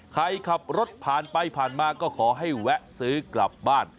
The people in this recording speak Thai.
ใครขับรถผ่านไปผ่านมาก็ขอให้แวะซื้อกลับบ้าน